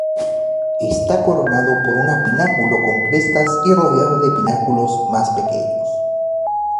Está coronado por una pináculo con crestas y rodeada de pináculos más pequeños.